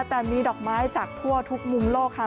แต่มีดอกไม้จากทั่วทุกมุมโลกค่ะ